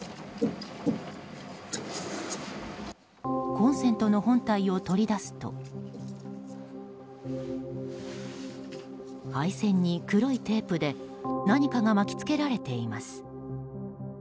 コンセントの本体を取り出すと配線に黒いテープで何かが巻き付けられています。